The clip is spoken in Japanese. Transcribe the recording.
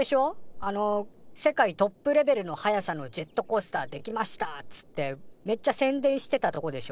あの世界トップレベルの速さのジェットコースターできましたっつってめっちゃ宣伝してたとこでしょ。